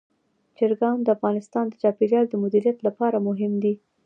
چرګان د افغانستان د چاپیریال د مدیریت لپاره مهم دي.